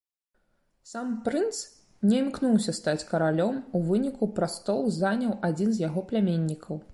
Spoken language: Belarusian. Сам прынц не імкнуўся стаць каралём, у выніку прастол заняў адзін з яго пляменнікаў.